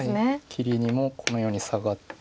切りにもこのようにサガって。